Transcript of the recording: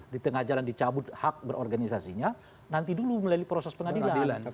di tengah jalan dicabut hak berorganisasinya nanti dulu melalui proses pengadilan